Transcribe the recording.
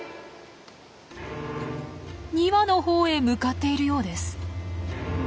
２羽のほうへ向かっているようです。